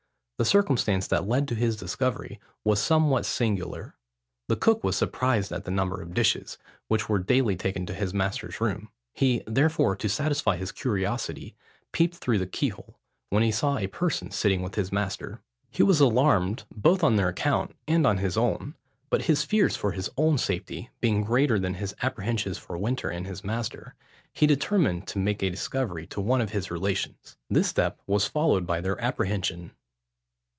The circumstance that led to his discovery was somewhat singular. The cook was surprised at the number of dishes, which were daily taken to his master's room; he therefore, to satisfy his curiosity, peeped through the keyhole, when he saw a person sitting with his master. He was alarmed, both on their account, and on his own; but his fears for his own safety being greater than his apprehensions for Winter and his master, he determined to make a discovery to one of his relations. This step was followed by their apprehension.